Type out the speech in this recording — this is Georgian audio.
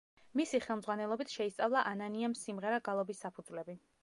მისი ხელმძღვანელობით შეისწავლა ანანიამ სიმღერა-გალობის საფუძვლები.